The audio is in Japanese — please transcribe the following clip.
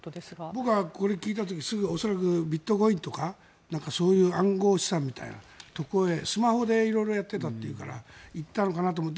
僕はこれを聞いた時すぐに恐らくビットコインとかそういう暗号資産みたいなとこへスマホで色々やってたというから行ったのかなと思う。